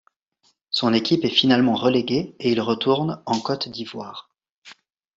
Son équipe est finalement reléguée, et il retourne en Côte d'Ivoire.